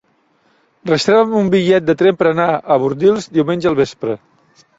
Reserva'm un bitllet de tren per anar a Bordils diumenge al vespre.